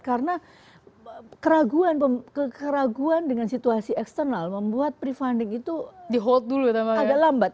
karena keraguan dengan situasi eksternal membuat prefunding itu agak lambat